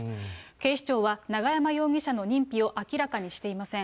警視庁は永山容疑者の認否を明らかにしていません。